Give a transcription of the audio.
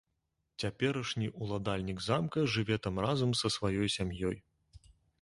Цяперашні ўладальнік замка жыве там разам са сваёй сям'ёй.